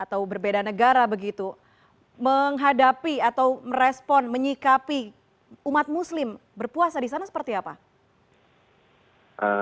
atau berbeda negara begitu menghadapi atau merespon menyikapi umat muslim berpuasa di sana seperti apa